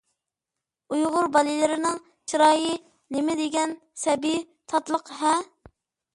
ئۇيغۇر بالىلىرىنىڭ چىرايى نېمىدېگەن سەبىي، تاتلىق-ھە!